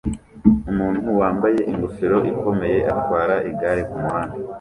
Umuntu wambaye ingofero ikomeye atwara igare kumuhanda